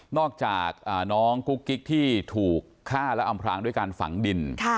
อกจากน้องกุ๊กกิ๊กที่ถูกฆ่าและอำพลางด้วยการฝังดิน